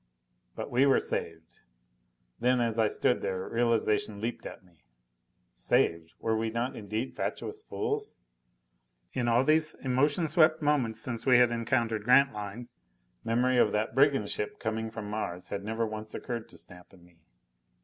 But we were saved. Then, as I stood there, realization leaped at me. Saved? Were we not indeed fatuous fools? In all these emotion swept moments since we had encountered Grantline, memory of that brigand ship coming from Mars had never once occurred to Snap and me!